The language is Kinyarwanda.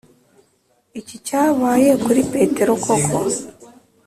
iki cyabaye kuri Petero koko